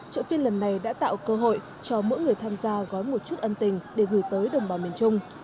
chợ phiên lần này đã tạo cơ hội cho mỗi người tham gia gói một chút ân tình để gửi tới đồng bào miền trung